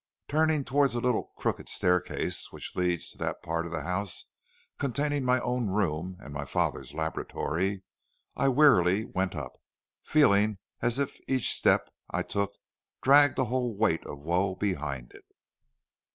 Turning towards a little crooked staircase which leads to that part of the house containing my own room and my father's laboratory, I went wearily up, feeling as if each step I took dragged a whole weight of woe behind it.